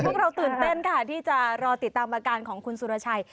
พวกเราตื่นเต้นค่ะที่จะรอติดตามอาการของคุณสุรชัย